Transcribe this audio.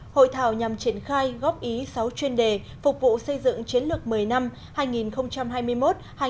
hội thảo nhằm triển khai góp ý sáu chuyên đề phục vụ xây dựng chiến lược một mươi năm hai nghìn hai mươi một hai nghìn ba mươi